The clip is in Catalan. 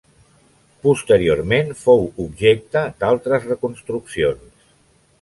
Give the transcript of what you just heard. Posteriorment fou objecte d'altres reconstruccions.